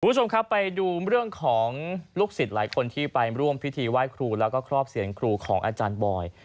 คุณผู้ชมครับไปดูเรื่องของลูกศิษย์หลายคนที่ไปร่วมพิธีไหว้ครูแล้วก็ครอบเสียงครูของอาจารย์บอย